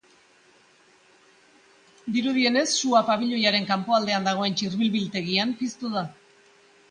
Dirudienez, sua pabilioiaren kanpoaldean dagoen txirbil biltegian piztu da.